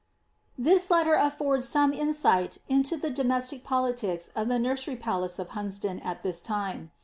This letter affords some insight into the domestic politics of the nursery palace of Hunsdon at this time.